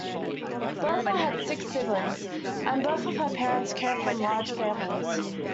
Bertha had six siblings and both of her parents came from large families.